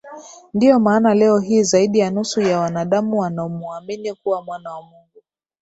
Ndiyo maana leo hii zaidi ya nusu ya wanadamu wanamuamini kuwa Mwana wa Mungu